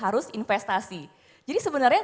harus investasi jadi sebenarnya